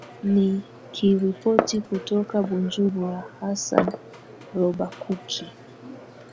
ni kiripoti kutoka bujumbura hasan robakuki